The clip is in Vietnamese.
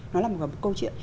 nó là một câu chuyện